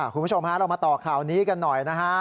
คุณผู้ชมฮะเรามาต่อข่าวนี้กันหน่อยนะฮะ